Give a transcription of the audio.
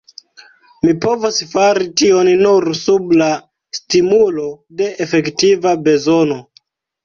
Mi povos fari tion nur sub la stimulo de efektiva bezono.